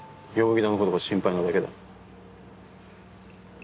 田のことが心配なだけだ。